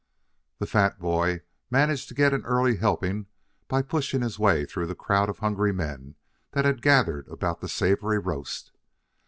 The fat boy managed to get an early helping by pushing his way through the crowd of hungry men that had gathered about the savory roast.